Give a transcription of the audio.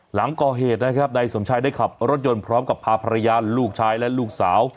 หลังก่อเหตุนะครับนายสมชายได้ขับรถยนต์พร้อมกับพาภรรยาลูกชายและลูกสาว